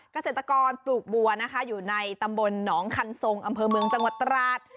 เกษตรกรปลูกบัวนะคะอยู่ในตำบลหนองคันทรงอำเภอเมืองจังหวัดตราด